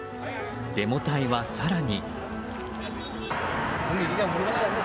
デモ隊は更に。